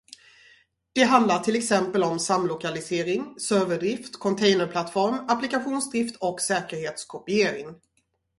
Det handlar till exempel om samlokalisering, serverdrift, containerplattform, applikationsdrift och säkerhetskopiering.